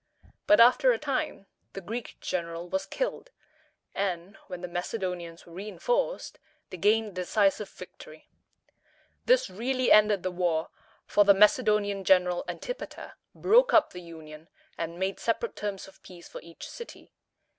But after a time the Greek general was killed; and, when the Macedonians were reënforced, they gained a decisive victory. This really ended the war; for the Macedonian general, Antipater, broke up the union, and made separate terms of peace for each city.